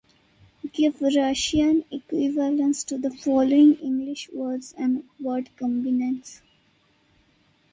Give Russian equivalents to the following English words and word combinations.